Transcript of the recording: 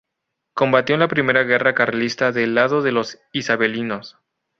Combatió en la primera guerra carlista del lado de los isabelinos.